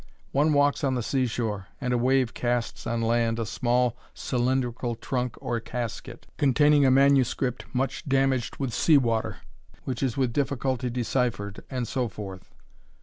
One walks on the sea shore, and a wave casts on land a small cylindrical trunk or casket, containing a manuscript much damaged with sea water, which is with difficulty deciphered, and so forth.